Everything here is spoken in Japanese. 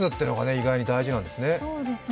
意外に大事なんですね。